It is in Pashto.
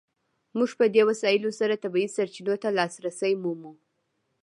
موږ په دې وسایلو سره طبیعي سرچینو ته لاسرسی مومو.